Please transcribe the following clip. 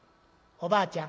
おばあちゃん。